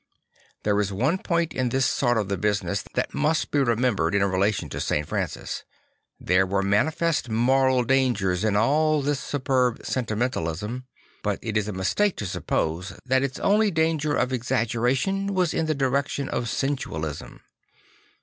There is one point in this part of the business that must be remembered in relation to St. Francis. There were manifest moral dangers in all this superb sentimentalism; but it is a mistake to suppose that its only danger of exaggeration was in the direction of sensualism.